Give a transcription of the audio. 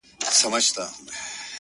داسي محراب غواړم ـ داسي محراب راکه ـ